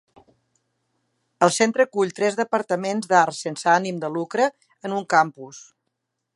El centre acull tres departaments d'arts sense ànim de lucre en un campus.